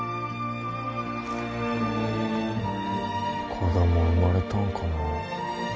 子供生まれたんかな